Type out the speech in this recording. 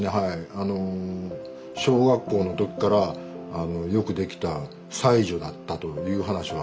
あの小学校の時からよくできた才女だったという話は。